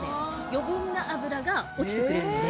余分な油が落ちてくれるので。